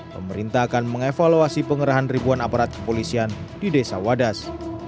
pemerintah akan mengevaluasi pengerahan ribuan aparat kepolisian di desa wadas